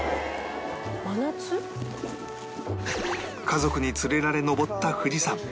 家族に連れられ登った富士山